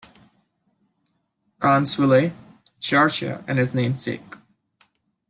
Carnesville, Georgia is his namesake.